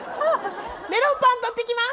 メロンパン取ってきます！